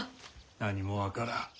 何も分からん。